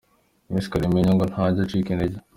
Miss Kalimpinya ngo ntajya acika intege.